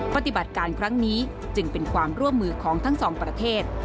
ปฏิบัติการครั้งนี้จึงเป็นความร่วมมือของทั้งสองประเทศ